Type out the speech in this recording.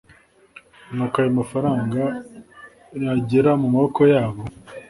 Nuko ayo mafaranga yagera mu maboko yabo,